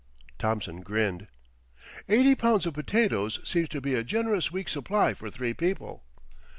Thompson grinned. "Eighty pounds of potatoes seems to be a generous week's supply for three people."